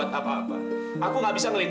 nggak ada dewi